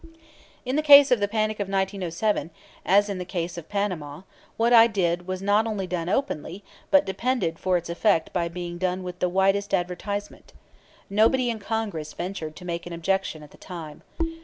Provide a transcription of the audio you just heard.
In the case of the panic of 1907 (as in the case of Panama), what I did was not only done openly, but depended for its effect upon being done and with the widest advertisement. Nobody in Congress ventured to make an objection at the time.